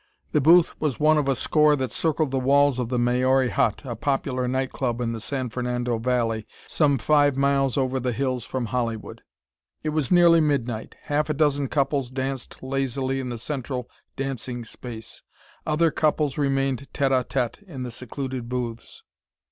The booth was one of a score that circled the walls of the "Maori Hut," a popular night club in the San Fernando Valley some five miles over the hills from Hollywood. It was nearly midnight. Half a dozen couples danced lazily in the central dancing space. Other couples remained tête à tête in the secluded booths.